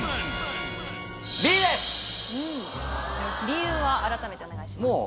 理由を改めてお願いします。